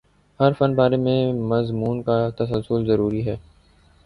ہر فن پارے میں مضمون کا تسلسل ضروری ہے